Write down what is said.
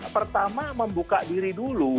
pertama membuka diri dulu